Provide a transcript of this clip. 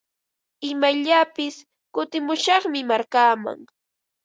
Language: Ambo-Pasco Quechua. Imayllapis kutimushaqmi markaaman.